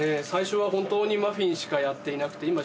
最初は本当にマフィンしかやっていなくて。